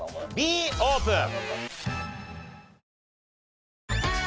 Ｂオープン。